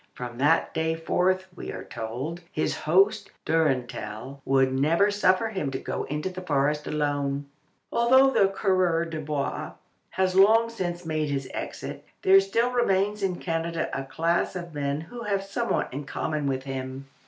"From that day forth," we are told, "his host, Durantal, would never suffer him to go into the forest alone." Although the coureur de bois has long since made his exit, there still remains in Canada a class of men who have somewhat in common with him.